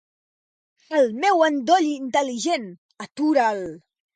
El meu endoll intel·ligent, atura'l.